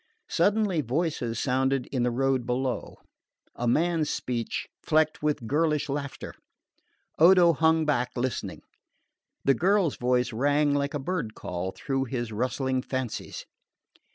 Suddenly voices sounded in the road below a man's speech flecked with girlish laughter. Odo hung back listening: the girl's voice rang like a bird call through his rustling fancies.